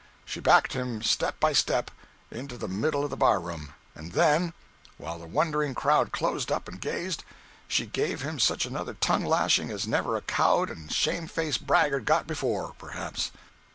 She backed him step by step into the middle of the bar room, and then, while the wondering crowd closed up and gazed, she gave him such another tongue lashing as never a cowed and shamefaced braggart got before, perhaps!